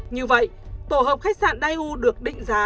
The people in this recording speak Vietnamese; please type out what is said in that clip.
như vậy tổ hợp khách sạn dai u được định giá